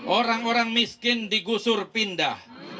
orang orang miskin digusur pindah